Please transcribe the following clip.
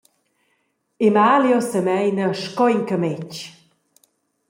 Emalio semeina sco in cametg.